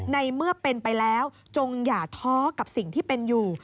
ในเมื่อเป็นไปแล้วจงอย่าท้อกับสิ่งที่เป็นอยู่